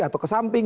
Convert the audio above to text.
atau ke samping